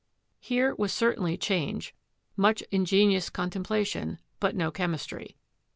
Here was certainly change, much "ingenious contemplation," but no chemis try.